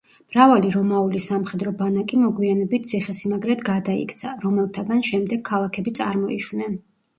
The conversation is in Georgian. მრავალი რომაული სამხედრო ბანაკი მოგვიანებით ციხესიმაგრედ გადაიქცა, რომელთაგან შემდეგ ქალაქები წარმოიშვნენ.